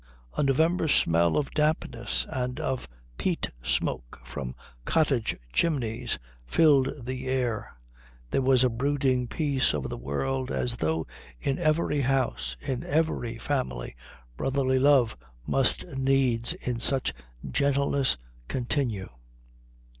A November smell of dampness and of peat smoke from cottage chimneys filled the air. There was a brooding peace over the world, as though in every house, in every family, brotherly love must needs in such gentleness continue.